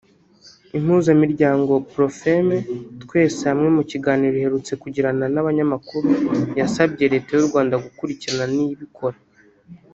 Impuzamiryango Profemmes Twese Hamwe mu kiganiro iherutse kugirana n’abanyamakuru yasabye Leta y’u Rwanda gukurikirana Niyibikora